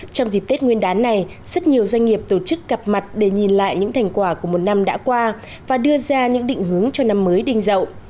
trong dịp tết nguyên đán này rất nhiều doanh nghiệp tổ chức gặp mặt để nhìn lại những thành quả của một năm đã qua và đưa ra những định hướng cho năm mới đinh rậu